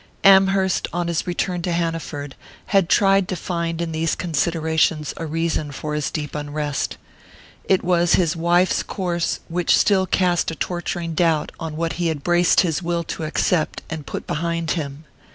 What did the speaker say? Amherst, on his return to Hanaford, had tried to find in these considerations a reason for his deep unrest. It was his wife's course which still cast a torturing doubt on what he had braced his will to accept and put behind him.